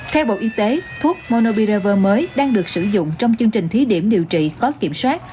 theo bộ y tế thuốc monobirver mới đang được sử dụng trong chương trình thí điểm điều trị có kiểm soát